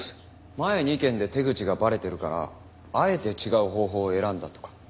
前２件で手口がバレてるからあえて違う方法を選んだとか。